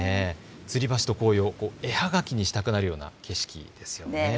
つり橋と紅葉、絵はがきにしたくなるような景色ですよね。